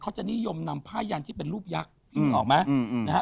จะนิยมนำผ้ายันที่เป็นรูปยักษ์ออกไหมนะฮะ